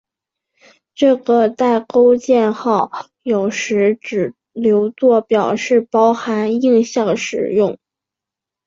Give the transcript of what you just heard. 但这个带钩箭号有时只留作表示包含映射时用。